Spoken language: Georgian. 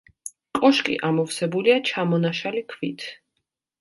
კოშკი ამოვსებულია ჩამონაშალი ქვით.